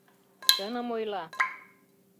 «Чыным ойла!